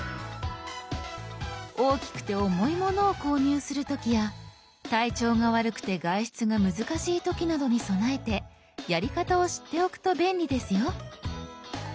大きくて重いものを購入する時や体調が悪くて外出が難しい時などに備えてやり方を知っておくと便利ですよ。